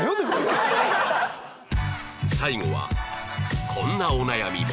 最後はこんなお悩みも